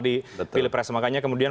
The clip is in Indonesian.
di pilpres makanya kemudian